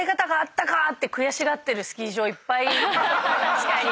確かに。